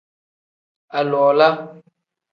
Aliwala.